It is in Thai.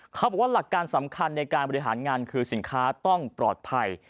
เขาบอกว่าหลักการสำคัญในการบริหารงานคือสินค้าต้องปลอดภัย